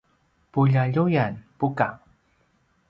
puljaljuyan: buka